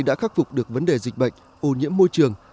đã khắc phục được vấn đề dịch bệnh ô nhiễm môi trường